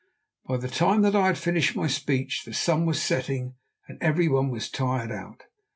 By the time that I had finished my speech the sun was setting and everyone was tired out.